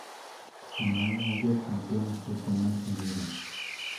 El mánager campeón fue Tomás Herrera.